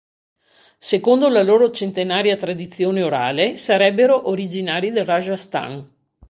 Secondo la loro centenaria tradizione orale, sarebbero originari del Rajasthan.